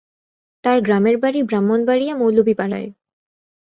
তার গ্রামের বাড়ি ব্রাহ্মণবাড়িয়া মৌলভী পাড়ায়।